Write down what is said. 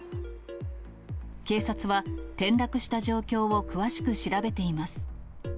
警察は転落した状況を詳しく調べています。